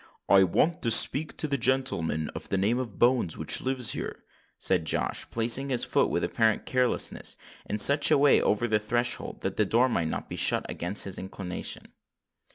"I want to speak to a genelman of the name of Bones which lives here," said Josh, placing his foot, with apparent carelessness, in such a way over the threshold that the door might not be shut against his inclination.